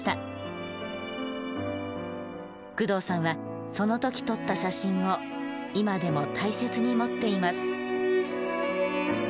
工藤さんはその時撮った写真を今でも大切に持っています。